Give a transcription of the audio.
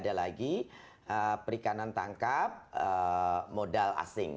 tidak boleh ada lagi perikanan tangkap modal asing